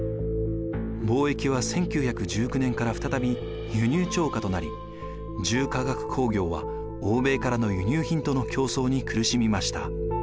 貿易は１９１９年から再び輸入超過となり重化学工業は欧米からの輸入品との競争に苦しみました。